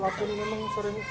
memang pelaku ini memang sering